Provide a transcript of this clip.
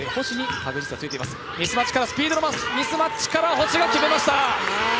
星が決めました。